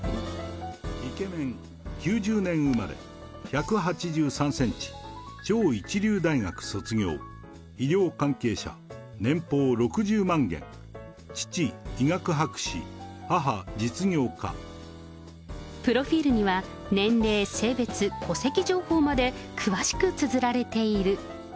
イケメン、９０年生まれ、１８３センチ、超一流大学卒業、医療関係者、年俸６０万元、父、プロフィールには、年齢、性別、戸籍情報まで、詳しくつづられている。